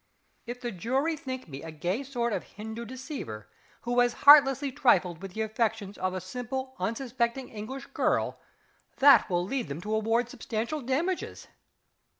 "If the jury think me a gay sort of Hindoo deceiver, who has heartlessly trifled with the affections of a simple, unsuspecting English girl, that will lead them to award substantial damages.